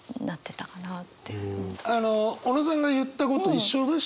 あの小野さんが言ったこと一緒でしたね。